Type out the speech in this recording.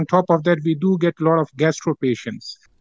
tapi di atasnya kita mendapatkan banyak penyakit gastro